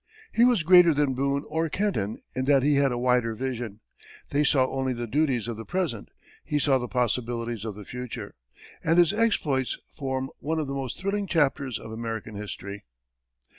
He was greater than Boone or Kenton in that he had a wider vision; they saw only the duties of the present; he saw the possibilities of the future, and his exploits form one of the most thrilling chapters of American history.